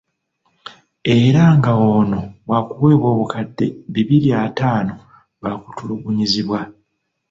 Era nga ono wakuwebwa obukadde bibiri ataano lwakutulugunyizibwa.